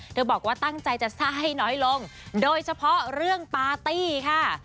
บอกว่าตั้งใจจะสร้างให้น้อยลงโดยเฉพาะเรื่องปาร์ตี้ค่ะ